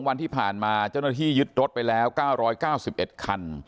วันที่ผ่านมาเจ้าหน้าที่ยึดรถไปแล้ว๙๙๑คัน